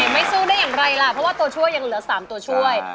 ไม่สู้ได้อย่างไรล่ะเพราะว่าตัวช่วยยังเหลือ๓ตัวช่วย